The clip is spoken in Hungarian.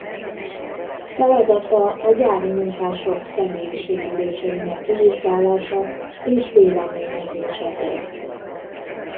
Feladata a gyári munkások személyi sérüléseinek kivizsgálása és véleményezése volt.